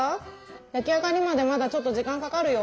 焼き上がりまでまだちょっと時間かかるよ。